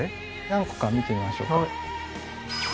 何個か見てみましょうか。